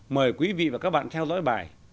mời quý vị và các bạn theo dõi bài